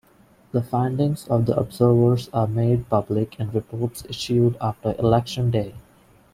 The findings of the observers are made public in reports issued after election day.